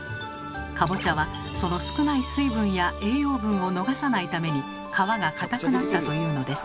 かぼちゃはその少ない水分や栄養分を逃さないために皮が硬くなったというのです。